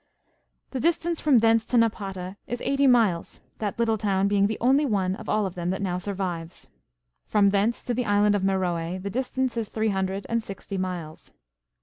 ^^ The distance from thence to Xapata is eight} miles, that little town being the only one of all of them that now survives. Erom thence to the island of Meroe the distance is three hundred and sixty miles.